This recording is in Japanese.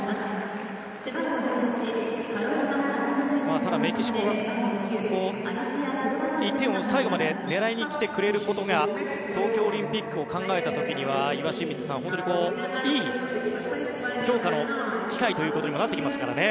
ただ、メキシコが１点を最後まで狙いに来てくれることが東京オリンピックを考えた時には岩清水さんいい強化の機会ということにもなってきますからね。